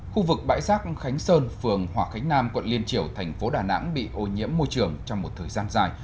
khu vực bãi rác khánh sơn phường hòa khánh nam quận liên triểu thành phố đà nẵng bị ô nhiễm môi trường trong một thời gian dài